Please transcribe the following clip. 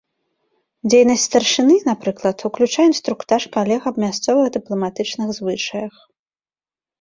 Дзейнасць старшыны, напрыклад, уключае інструктаж калег аб мясцовых дыпламатычных звычаях.